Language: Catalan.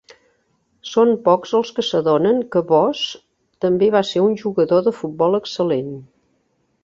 Són pocs els que s'adonen que Voss també va ser un jugador de futbol excel·lent.